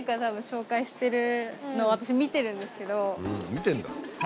見てんだ。